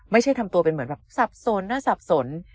ไม่ใช่ทำตัวเป็นเหมือนแบบสับสนน่าสับสน